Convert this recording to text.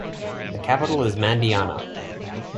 The capital is Mandiana.